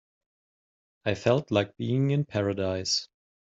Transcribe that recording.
I felt like being in paradise.